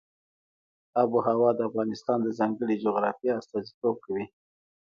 آب وهوا د افغانستان د ځانګړي جغرافیه استازیتوب کوي.